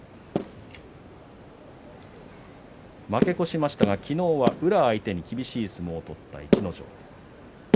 負け越しましたが昨日は宇良相手に厳しい相撲を取った逸ノ城。